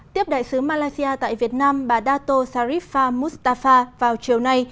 tiếp đại sứ malaysia tại việt nam bà dato sharifa mustafa vào chiều nay